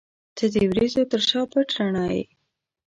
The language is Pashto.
• ته د وریځو تر شا پټ رڼا یې.